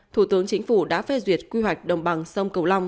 thủ tướng chính phủ đã phê duyệt quy hoạch đồng bằng sông cửu long